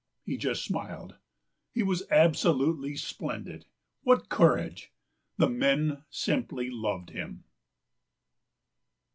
He just smiled. He was absolutely splendid. What courage! The men simply loved him."